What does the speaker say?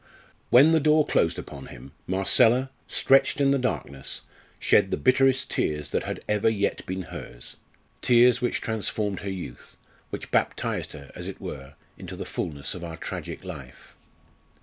When the door closed upon him, Marcella, stretched in the darkness, shed the bitterest tears that had ever yet been hers tears which transformed her youth which baptised her, as it were, into the fulness of our tragic life.